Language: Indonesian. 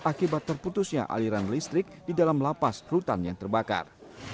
akibat terputusnya aliran listrik di dalam lapas rutan yang terbakar